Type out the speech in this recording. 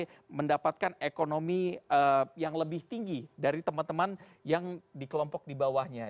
bisa mendapatkan ekonomi yang lebih tinggi dari teman teman yang di kelompok di bawahnya